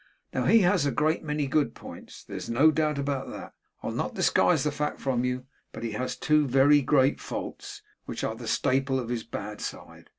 Now, he has a great many good points there is no doubt about that; I'll not disguise the fact from you but he has two very great faults, which are the staple of his bad side.